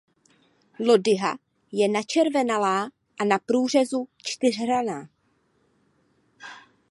Lodyha je načervenalá a na průřezu čtyřhranná.